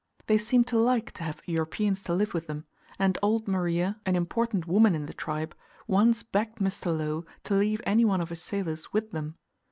They seem to like to have Europeans to live with them; and old Maria, an important woman in the tribe, once begged Mr. Low to leave any one of his sailors with them.